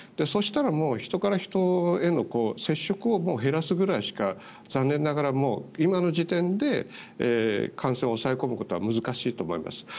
そうしたら、もう人から人への接触を減らすぐらいしか残念ながら今の時点で感染を抑え込むことは難しいと思います。